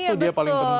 itu dia paling penting